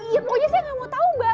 ya pokoknya saya gak mau tau mbak